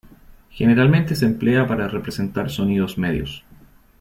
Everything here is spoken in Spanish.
Generalmente se emplea para representar sonidos medios.